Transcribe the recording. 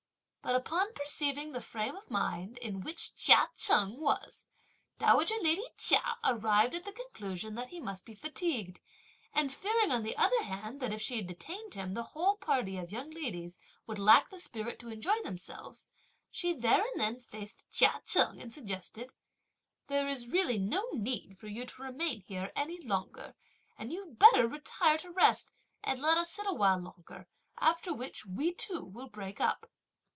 But upon perceiving the frame of mind in which Chia Cheng was, dowager lady Chia arrived at the conclusion that he must be fatigued; and fearing, on the other hand, that if she detained him, the whole party of young ladies would lack the spirit to enjoy themselves, she there and then faced Chia Cheng and suggested: "There's no need really for you to remain here any longer, and you had better retire to rest; and let us sit a while longer; after which, we too will break up!"